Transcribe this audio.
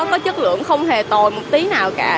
có chất lượng không hề tồi một tí nào cả